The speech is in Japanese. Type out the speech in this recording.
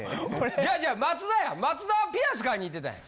じゃあじゃあ松田や松田はピアス買いに行ってたやん。